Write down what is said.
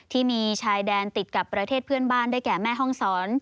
ที่มีชายแดนติดกับประเทศเพื่อนบ้านได้แก่แม่ห้องศร